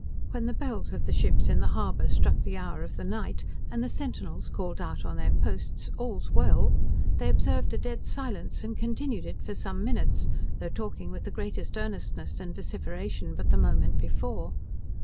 When the bells of the ships in the harbour struck the hour of the night, and the centinels called out on their posts "All's well," they observed a dead silence, and continued it for some minutes, though talking with the greatest earnestness and vociferation but the moment before.